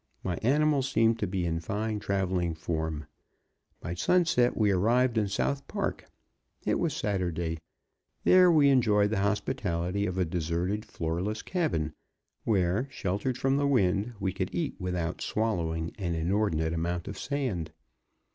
My animals seemed to be in fine traveling form; by sunset we arrived in South Park. It was Saturday. There we enjoyed the hospitality of a deserted, floorless cabin, where, sheltered from the wind, we could eat without swallowing an inordinate amount of sand.